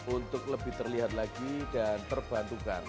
untuk lebih terlihat lagi dan terbantukan